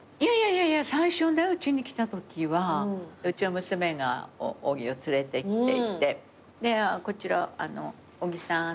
いやいや最初ねうちに来たときはうちの娘が小木を連れてきていて「こちら小木さん」とかって言って。